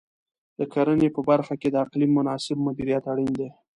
د کرنې په برخه کې د اقلیم مناسب مدیریت اړین دی.